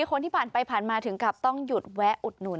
คนที่ผ่านไปผ่านมาถึงกับต้องหยุดแวะอุดหนุน